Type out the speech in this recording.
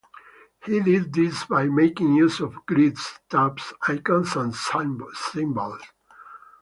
He did this by making use of grids, tabs, icons, and symbols.